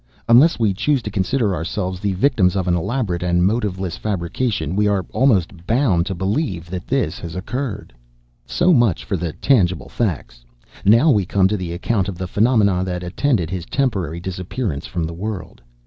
Unless we choose to consider ourselves the victims of an elaborate and motiveless fabrication, we are almost bound to believe that this has occurred. So much for the tangible facts. We come now to the account of the phenomena that attended his temporary disappearance from the world.